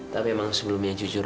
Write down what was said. tapi emang sebelumnya jujur